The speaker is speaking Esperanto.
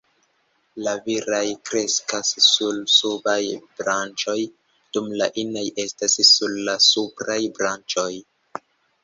La viraj kreskas sur subaj branĉoj, dum la inaj estas sur la supraj branĉoj.